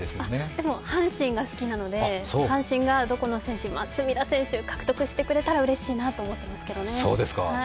でも阪神が好きなので、阪神がどこの選手隅田選手を獲得してくれたらうれしいなと思っています。